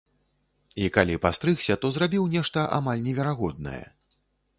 І калі пастрыгся, то зрабіў нешта амаль неверагоднае.